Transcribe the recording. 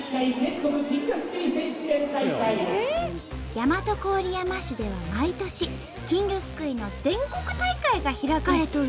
大和郡山市では毎年金魚すくいの全国大会が開かれとるんよ。